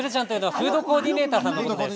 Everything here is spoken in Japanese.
フードコーディネーターの方です。